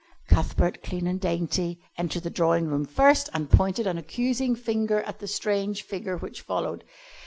Cuthbert, clean and dainty, entered the drawing room first and pointed an accusing finger at the strange figure which followed.